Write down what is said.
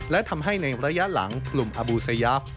และทำให้ในระยะหลังกลุ่มอบูซายาฟ